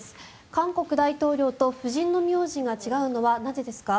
韓国大統領と夫人の名字が違うのはなんでですか？